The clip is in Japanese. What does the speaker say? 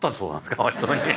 かわいそうに。